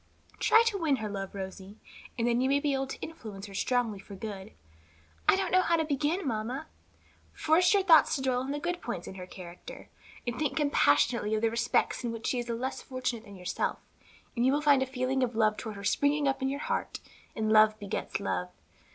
"Try to win her love, Rosie, and then you may be able to influence her strongly for good." "I don't know how to begin, mamma." "Force your thoughts to dwell on the good points in her character, and think compassionately of the respects in which she is less fortunate than yourself, and you will soon find a feeling of love toward her springing up in your heart; and love begets love.